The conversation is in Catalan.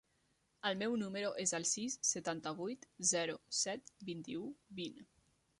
El meu número es el sis, setanta-vuit, zero, set, vint-i-u, vint.